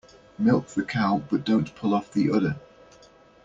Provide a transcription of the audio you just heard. Milk the cow but don't pull off the udder.